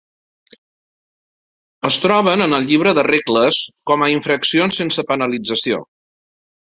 Es troben en el llibre de regles com a infraccions sense penalització.